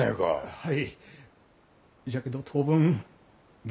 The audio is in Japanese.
はい。